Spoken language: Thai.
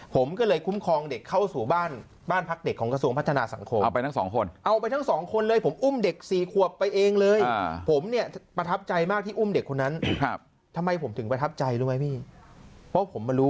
ที่อุ้มเด็กคนนั้นทำไมผมถึงประทับใจรู้ไหมพี่เพราะผมมารู้